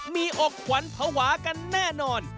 มีอกขวัญภาวะกันแน่นอน